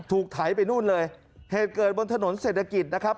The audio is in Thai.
ไถไปนู่นเลยเหตุเกิดบนถนนเศรษฐกิจนะครับ